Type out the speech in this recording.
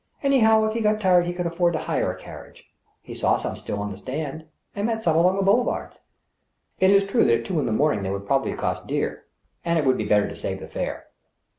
Anyhow, if he got tired he could afford to hire a carriage. He saw some still on a stand, and met some along the boulevards. It is true that at two o'clock in the morning they would proba bly cost dear, and it would be better to save the fare.